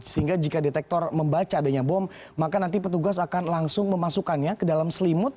sehingga jika detektor membaca adanya bom maka nanti petugas akan langsung memasukkannya ke dalam selimut